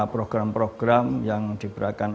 program program yang diberikan